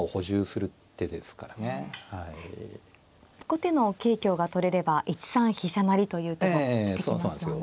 後手の桂香が取れれば１三飛車成という手も出てきますよね。